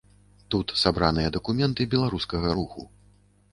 Тут сабраныя дакументы беларускага руху.